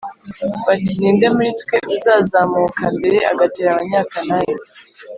bati “ni nde muri twe uzazamuka mbere agatera abanyakanani